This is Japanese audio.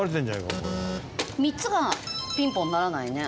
３つがピンポンならないね。